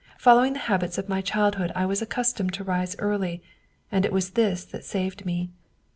Following the habits of my childhood I was accustomed to rise early, and it was this that saved me.